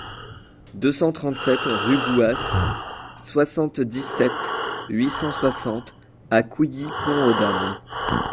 deux cent trente-sept rue Gouas, soixante-dix-sept, huit cent soixante à Couilly-Pont-aux-Dames